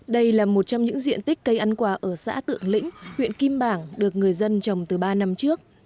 đây là một trong những diện tích cây ăn quả ở xã tự lĩnh huyện kim bảng được người dân trồng từ ba năm trước